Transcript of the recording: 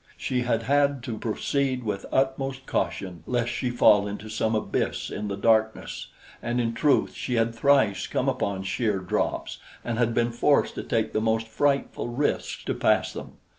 She had had to proceed with utmost caution lest she fall into some abyss in the darkness and in truth she had thrice come upon sheer drops and had been forced to take the most frightful risks to pass them.